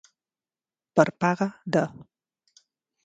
Per paga de.